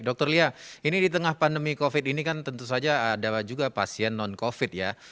dr lia ini di tengah pandemi covid ini kan tentu saja ada juga pasien non covid ya